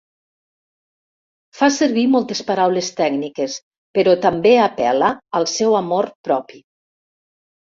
Fa servir moltes paraules tècniques, però també apel·la al seu amor propi.